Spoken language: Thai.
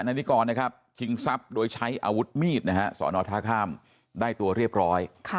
นันนี้ก่อนนะครับขิงซับโดยใช้อาวุธมีดนะฮะสอนอทธาคามได้ตัวเรียบร้อย